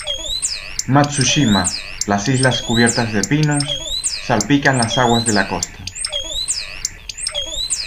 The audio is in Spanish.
Matsushima, las islas cubiertas de pinos, salpican las aguas de la costa.